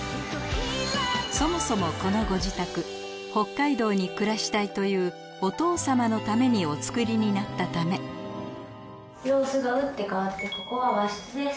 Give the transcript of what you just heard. そもそもこのご自宅北海道に暮らしたいというお父様のためにお造りになったため様子が打って変わってここは和室です。